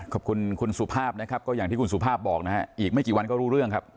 ขอบคุณคุณสุภาพนะครับก็อย่างที่คุณสุภาพบอกนะฮะอีกไม่กี่วันก็รู้เรื่องครับ